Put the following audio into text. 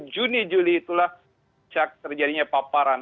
juni juli itulah terjadinya paparan